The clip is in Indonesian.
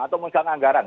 atau menggang anggaran